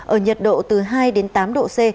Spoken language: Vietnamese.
ở nhiệt độ từ hai đến tám độ c